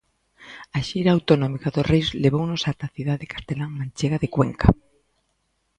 A xira autonómica dos reis levounos ata a cidade castelán manchega de Cuenca.